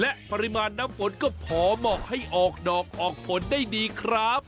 และปริมาณน้ำฝนก็พอเหมาะให้ออกดอกออกผลได้ดีครับ